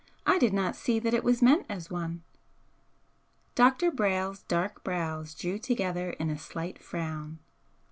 I did not see that it was meant as one." Dr. Brayle's dark brows drew together in a slight frown.